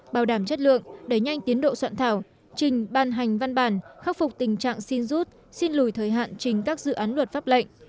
bảo đảm chất lượng đẩy nhanh tiến độ soạn thảo trình ban hành văn bản khắc phục tình trạng xin rút xin lùi thời hạn trình các dự án luật pháp lệnh